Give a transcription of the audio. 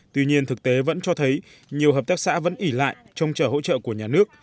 tuy nhiên thực tế vẫn cho thấy nhiều hợp tác xã vẫn ỉ lại trông chờ hỗ trợ của nhà nước